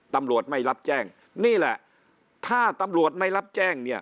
ตำรวจไม่รับแจ้งนี่แหละถ้าตำรวจไม่รับแจ้งเนี่ย